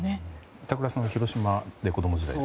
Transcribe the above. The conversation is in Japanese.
板倉さんは広島で子供時代を。